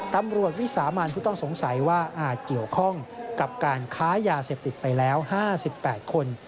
วิสามันผู้ต้องสงสัยว่าอาจเกี่ยวข้องกับการค้ายาเสพติดไปแล้ว๕๘คน